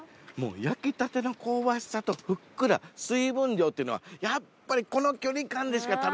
焼きたての香ばしさとふっくら水分量っていうのはやっぱりこの距離感でしか食べれません。